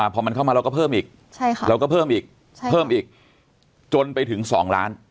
พอมันเข้ามาเราก็เพิ่มอีกเราก็เพิ่มอีกเพิ่มอีกจนไปถึง๒ล้าน